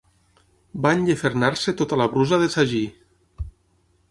Va enllefernar-se tota la brusa de sagí.